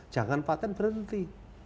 jangan patent berhenti